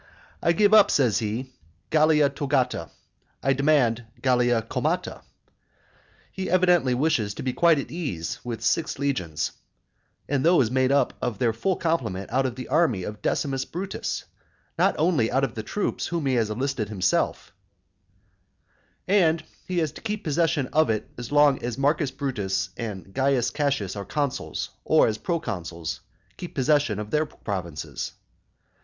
"I give up," says he, "Gallia Togata; I demand Gallia Comata" he evidently wishes to be quite at his ease 'with six legions, and those made up to their full complement out of the army of Decimus Brutus, not only out of the troops whom he has enlisted himself; "and he is to keep possession of it as long as Marcus Brutus and Carus Cassius, as consuls, or as proconsuls, keep possession of their provinces."